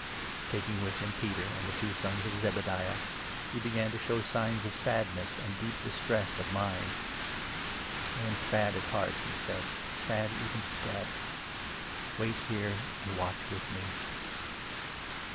Taking with him Peter and the two sons of Zebediah, he 37 began to show signs of sadness and deep distress of mind. "I am sad at heart," he said, "sad even to death; wait 38 here, and watch with me."